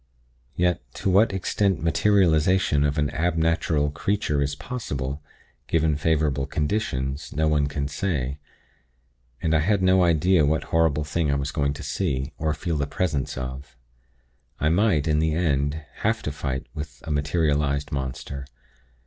Yet, to what extent materialization of an ab natural creature is possible, given favorable conditions, no one can say; and I had no idea what horrible thing I was going to see, or feel the presence of. I might, in the end, have to fight with a materialized monster.